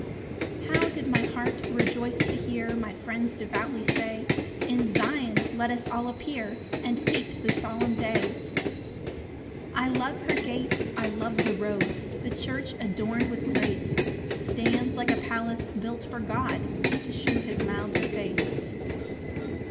1 How did my heart rejoice to hear My friends devoutly say, "In Zion let us all appear, "And keep the solemn day!" 2 I love her gates, I love the road: The church adorn'd with grace Stands like a palace built for God, To shew his milder face.